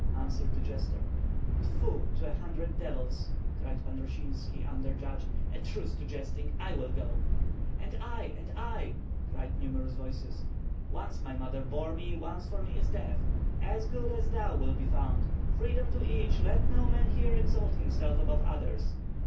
answered the jester. "Tfu! to a hundred devils!" cried Pan Rosinski; under judge, "a truce to jesting! I will go." "And I! and I!" cried numerous voices. "Once my mother bore me, once for me is death!" "As good as thou will be found!" "Freedom to each. Let no man here exalt himself above others."